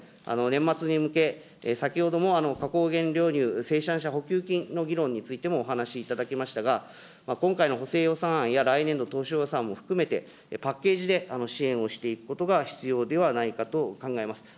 年末に向け、先ほども加工原料乳生産者補給金の議論についてもお話しいただけましたが、今回の補正予算案や来年度当初予算も含めて、パッケージで支援をしていただくことが必要ではないかと考えます。